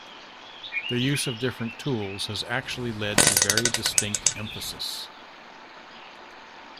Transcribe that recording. The use of different tools has actually led to very distinct emphases.